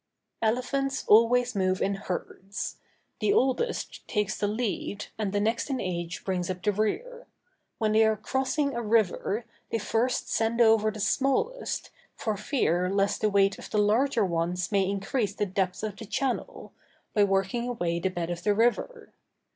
Elephants always move in herds. The oldest takes the lead, and the next in age brings up the rear. When they are crossing a river, they first send over the smallest, for fear lest the weight of the larger ones may increase the depth of the channel, by working away the bed of the river.